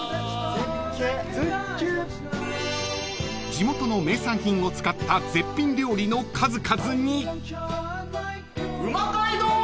［地元の名産品を使った絶品料理の数々に］